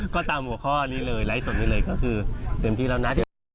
ก็ตามหัวข้อนี้เลยไลฟ์สดนี้เลยก็คือเต็มที่แล้วนะ